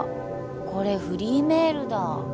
これフリーメールだ。